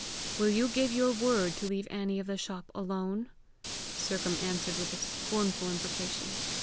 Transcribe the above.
"Will you give your word to leave Annie of the shop alone?" Sercombe answered with a scornful imprecation.